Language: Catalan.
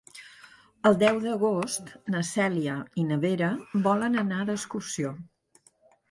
El deu d'agost na Cèlia i na Vera volen anar d'excursió.